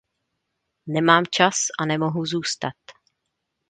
Nemám čas a nemohu zůstat.